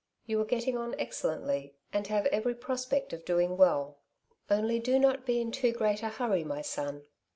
You are getting on excellently, and have every prospect of doing well, only do not be in too great a hurry, my son."